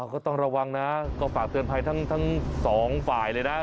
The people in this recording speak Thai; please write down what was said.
ก็ต้องระวังนะก็ฝากเตือนภัยทั้งสองฝ่ายเลยนะ